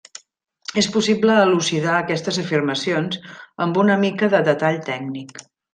És possible elucidar aquestes afirmacions amb una mica de detall tècnic.